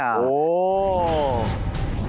โอ้โห